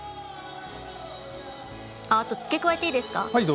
あと、付け加えていいですか。